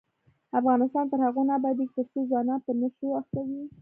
افغانستان تر هغو نه ابادیږي، ترڅو ځوانان په نشو اخته وي.